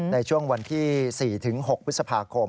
ในช่วงวันที่๔๖พฤษภาคม